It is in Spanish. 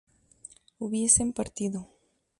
hubiesen partido